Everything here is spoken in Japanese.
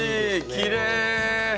きれい！